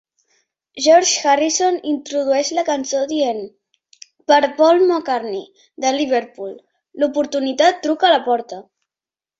George Harrison introdueix la cançó dient "Per Paul McCartney de Liverpool, l'oportunitat truca a la porta!".